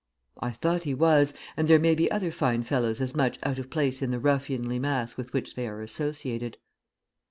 I thought he was; and there may be other fine fellows as much out of place in the ruffianly mass with which they are associated.